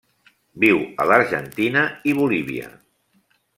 Viu a l'Argentina i Bolívia.